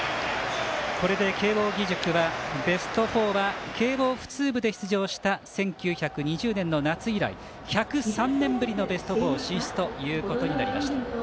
これで慶応義塾はベスト４は慶応普通部の出場した１９２０年の夏以来１０３年ぶりのベスト４進出ということになりました。